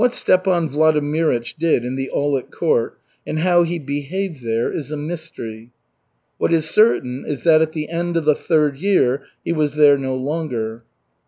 What Stepan Vladimirych did in the Aulic Court and how he behaved there is a mystery. What is certain is that at the end of the third year he was there no longer.